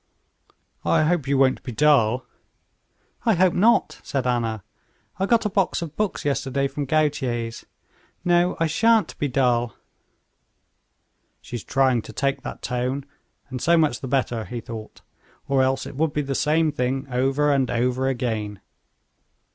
"I hope you won't be dull?" "I hope not," said Anna. "I got a box of books yesterday from Gautier's. No, I shan't be dull." "She's trying to take that tone, and so much the better," he thought, "or else it would be the same thing over and over again."